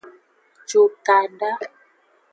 Cukada.